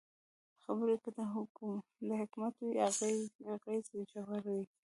خبرې که د حکمت وي، اغېز ژور وي